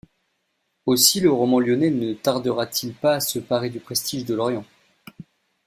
Aussi, le roman lyonnais ne tardera-t-il pas à se parer du prestige de l’orient.